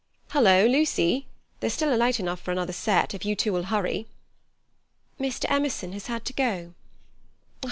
"Hullo, Lucy! There's still light enough for another set, if you two'll hurry." "Mr. Emerson has had to go."